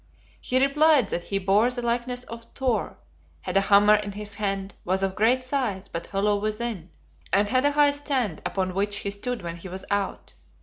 He replied that he bore the likeness of Thor; had a hammer in his hand; was of great size, but hollow within; and had a high stand, upon which he stood when he was out.